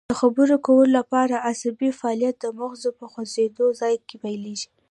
د خبرو کولو لپاره عصبي فعالیت د مغزو په خوځند ځای کې پیلیږي